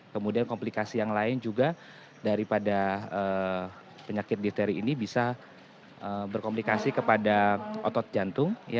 kemudian komplikasi yang lain juga daripada penyakit difteri ini bisa berkomplikasi kepada otot jantung